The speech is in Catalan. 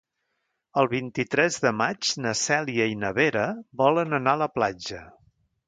El vint-i-tres de maig na Cèlia i na Vera volen anar a la platja.